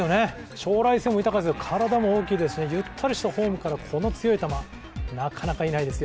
将来性も豊かですし、体も大きいですし、ゆったりとしたフォームから、この強い球、なかなかいないですよ。